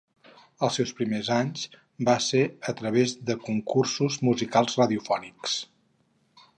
En els seus primers anys, va ser a través de concursos musicals radiofònics.